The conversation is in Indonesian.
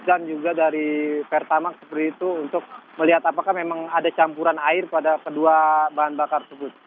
kita juga dari pertamax seperti itu untuk melihat apakah memang ada campuran air pada kedua bahan bakar tersebut